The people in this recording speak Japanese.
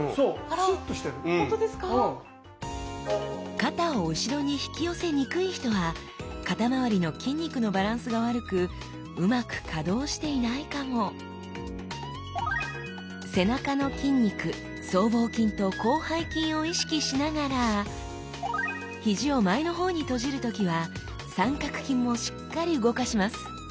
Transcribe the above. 肩を後ろに引き寄せにくい人は肩まわりの筋肉のバランスが悪くうまく可動していないかも。背中の筋肉僧帽筋と広背筋を意識しながらひじを前の方に閉じる時は三角筋もしっかり動かします。